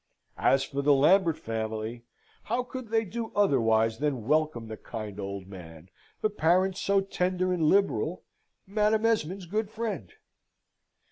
As for the Lambert family, how could they do otherwise than welcome the kind old man, the parent so tender and liberal, Madam Esmond's good friend?